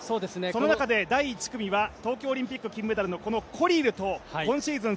その中で第１組は東京オリンピック金メダルのコリルと今シーズン